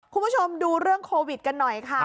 คุณผู้ชมดูเรื่องโควิดกันหน่อยค่ะ